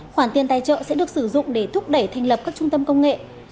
khoản tiền tài trợ sẽ được sử dụng để thúc đẩy thành lập các trung tâm công nghệ